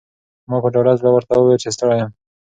ما په ډاډه زړه ورته وویل چې ستړی یم.